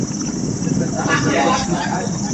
উহাই একমাত্র অজড় পদার্থ, আর সমুদয় প্রপঞ্চ-বিকারই জড়।